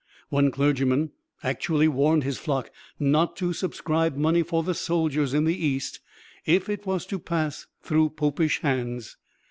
One clergyman actually warned his flock not to subscribe money for the soldiers in the East "if it was to pass through Popish hands."